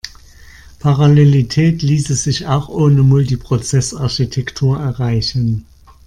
Parallelität ließe sich auch ohne Multiprozess-Architektur erreichen.